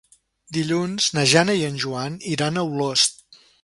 Dilluns na Jana i en Joan iran a Olost.